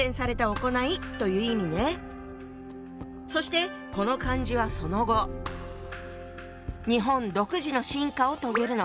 そしてこの漢字はその後日本独自の進化を遂げるの。